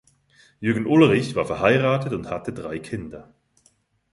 Jürgen Ulrich war verheiratet und hatte drei Kinder.